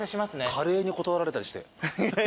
華麗に断られたりして。